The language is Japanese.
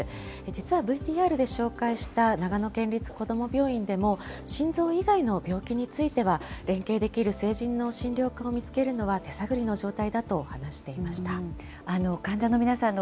実はＶＴＲで紹介した長野県立こども病院でも、心臓以外の病気については、連携できる成人の診療科を見つけるのは手探りの状態だと話していました。